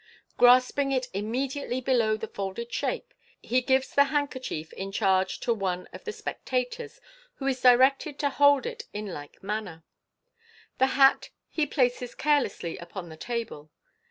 Grasp ing it immediately below the folded shape, he gives the hand kerchief in charge to one of the spectators, who is directed to hold it in like manner. The hat he places carelessly upon the table.